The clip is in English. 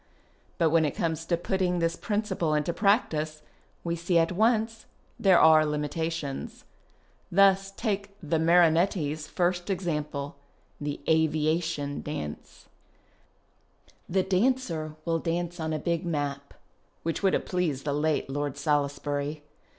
But when it comes to putting this principle into practice we see at once there are limitations. Thus, take the 284 FUTURIST DANCING Mariiietti's lirst example, the " Aviation " dance. The dancer \\all dance on a big map (which would have pleased the late Lord Salisbury).